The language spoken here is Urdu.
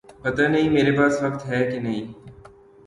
پتا نہیں میرے پاس وقت ہے کہ نہیں